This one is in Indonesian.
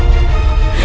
kenapa bisa begini